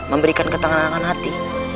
memberikan ketenangan hati